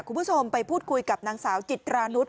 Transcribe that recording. คุณผู้ชมไปพูดคุยกับนางสาวจิตรานุษ